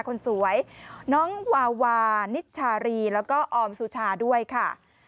คนสวยน้องวาวานิชชารีแล้วก็ออมสุชาด้วยค่ะ